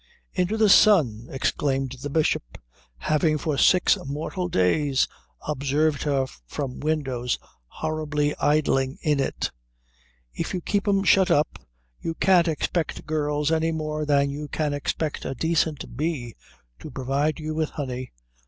"Into the sun!" exclaimed the Bishop, having for six mortal days observed her from windows horribly idling in it. "If you keep 'em shut up you can't expect girls any more than you can expect a decent bee to provide you with honey."